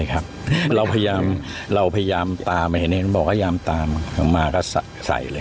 เราพยายามเราพยายามตามเห็นบอกว่ายามตามมาก็ใส่เลย